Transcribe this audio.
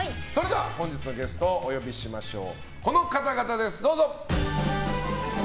本日のゲストお呼びしましょう！